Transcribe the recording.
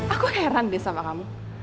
aku heran deh sama kamu